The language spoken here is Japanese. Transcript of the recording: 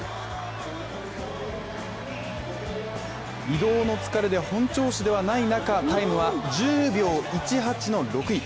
移動の疲れで本調子ではない中、タイムは１０秒１８の６位。